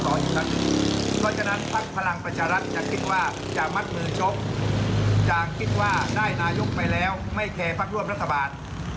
ก็จะนั้นพรรณ์ประชาตรรัฐทห์จังกินว่าจะมัดมือเดี๋ยวไม่แครงร้วมรัฐบาล